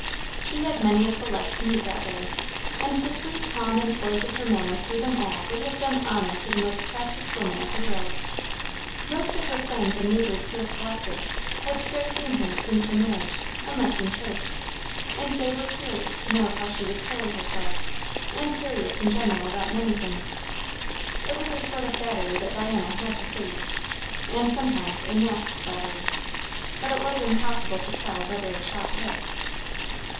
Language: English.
She had many of the like to meet that day; and the sweet calm and poise of her manner through them all would have done honour to the most practised woman of the world. Most of her friends and neighbours here collected had scarce seen her since her marriage, unless in church; and they were curious to know how she would carry herself, and curious in general about many things. It was a sort of battery that Diana had to face, and sometimes a masked battery; but it was impossible to tell whether a shot hit.